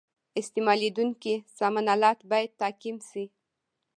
استعمالیدونکي سامان آلات باید تعقیم شي.